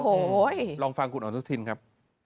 โอ้โหลองฟังคุณอนุทินครับ